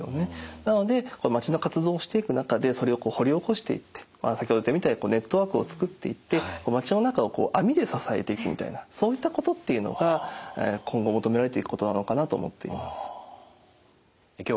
なので町の活動をしていく中でそれを掘り起こしていって先ほど言ったみたいにネットワークを作っていって町の中を網で支えていくみたいなそういったことっていうのが今後求められていくことなのかなと思っています。